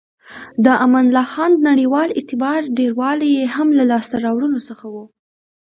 د امان الله خان نړیوال اعتبار ډیروالی یې هم له لاسته راوړنو څخه و.